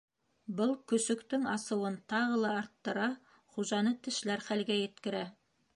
Был көсөктөң асыуын тағы ла арттыра, хужаны тешләр хәлгә еткерә.